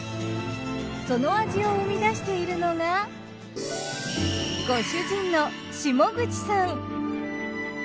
その味を生み出しているのがご主人の下口さん。